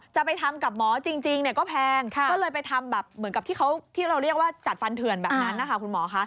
จะไปทำกับหมอจริงเนี่ยก็แพงก็เลยไปทำแบบเหมือนกับที่เราเรียกว่าจัดฟันเถื่อนแบบนั้นนะคะคุณหมอคะ